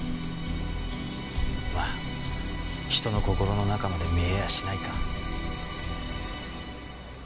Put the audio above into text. まあ人の心の中まで見えやしないか。